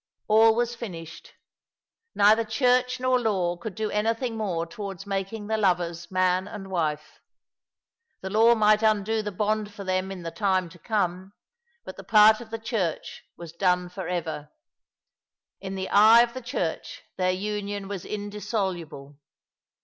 All was finished. Neither Church nor law could do any thing more towards making the lovers man and wife. The law might undo the bond for them in the time to come, but the part of the Church was done for ever. In the eye of the Church their union was indissoluble.